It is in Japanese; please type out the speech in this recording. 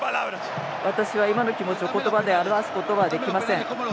私は今の気持ちを言葉で表すことができません。